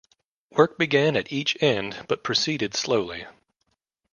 Work began at each end but proceeded slowly.